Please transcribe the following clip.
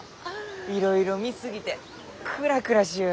いろいろ見過ぎてクラクラしゆう。